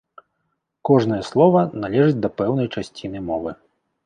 Кожнае слова належыць да пэўнай часціны мовы.